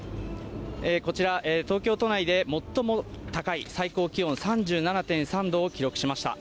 こちら、東京都内で最も高い最高気温３７．３度を記録しました。